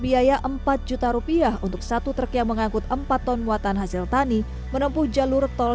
biaya empat juta rupiah untuk satu truk yang mengangkut empat ton muatan hasil tani menempuh jalur tol